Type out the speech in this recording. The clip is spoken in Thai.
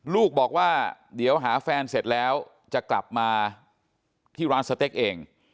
ลูกบอกว่าเดี๋ยวหาแฟนเสร็จแล้วจะกลับมาที่ร้านสเต็กเอง